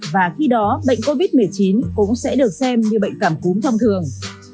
và khi đó bệnh covid một mươi chín cũng sẽ được xem như bệnh cảm cúm thông thường